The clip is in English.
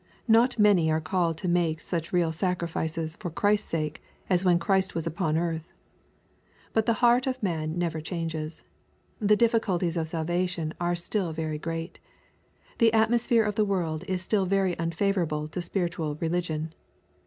Not many are called to make such real sacrifices for Christ's sake as when Christ was upon earth. But the heart of man never changes. The difficulties of salvation are still very great. The atmosphere of the world is still very unfavorable to spiritual religion.